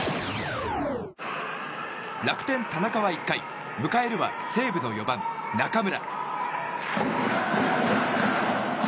楽天、田中は１回迎えるは西武の４番、中村。